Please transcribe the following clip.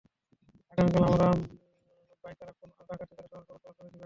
আগামীকাল আমার বাইকাররা খুন আর ডাকাতি করে শহরকে উলোটপালোট করে দিবে।